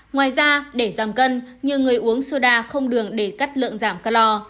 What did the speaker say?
ngoài ra để giảm cân nhiều người uống soda không đường để cắt lượng giảm calor